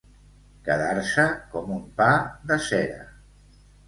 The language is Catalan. Quedar-se com un pa de cera.